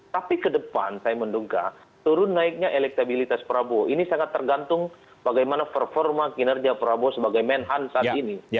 tapi ke depan saya menduga turun naiknya elektabilitas prabowo ini sangat tergantung bagaimana performa kinerja prabowo sebagai menhan saat ini